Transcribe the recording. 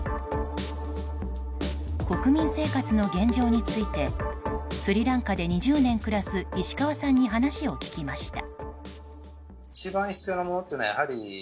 国民生活の現状についてスリランカで２０年暮らす石川さんに話を聞きました。